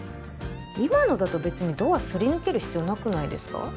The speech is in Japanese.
今のだと別にドアすり抜ける必要なくないですか？